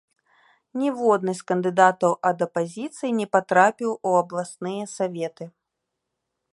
Ніводны з кандыдатаў ад апазіцыі не патрапіў у абласныя саветы.